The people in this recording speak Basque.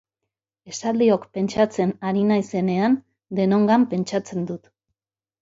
Esaldiok pentsatzen ari naizenean, denongan pentsatzen dut.